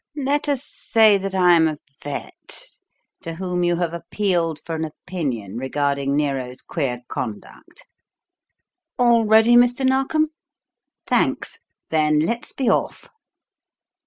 Let us say that I'm a vet, to whom you have appealed for an opinion, regarding Nero's queer conduct. All ready, Mr. Narkom? Thanks then let's be off."